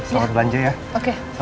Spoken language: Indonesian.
selamat belanja ya